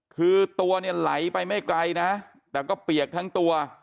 คือตัวเนี่ยไหลไปไม่ไกลนะแต่ก็เปียกทั้งตัว